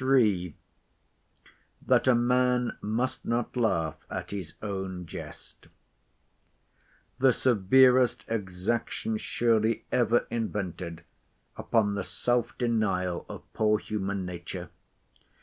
III.—THAT A MAN MUST NOT LAUGH AT HIS OWN JEST The severest exaction surely ever invented upon the self denial of poor human nature!